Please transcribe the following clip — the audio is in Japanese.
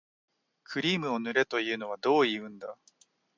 クリームを塗れというのはどういうんだ